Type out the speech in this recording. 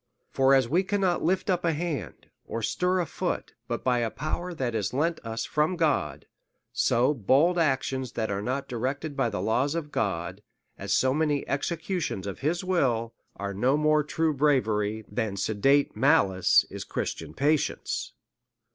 For as we cannot lift up a hand^ or stir a foot, but by a power that is lent us from God; so bold actions that are not directed by the laws of God, or so many executions of his will, are no more true bravery, than sedate malice is Christian patience.